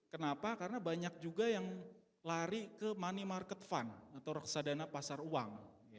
kenapa karena banyak juga yang lari ke money market fund atau reksadana pasar uang